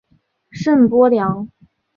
圣波良。